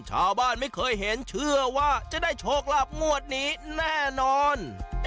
ชาวบ้านไม่เคยเห็นเชื่อว่าจะได้โชคลาภงวดนี้แน่นอน